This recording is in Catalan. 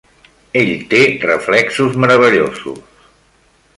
Ell té reflexos meravellosos.